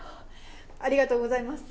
ありがとうございます。